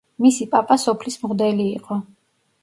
მისი პაპა სოფლის მღვდელი იყო.